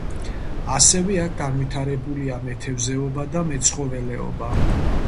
ასევე აქ განვითარებულია მეთევზეობა და მეცხოველეობა.